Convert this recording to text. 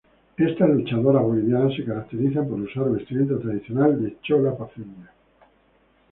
Estas luchadoras bolivianas se caracterizan por usar vestimenta tradicional de chola paceña.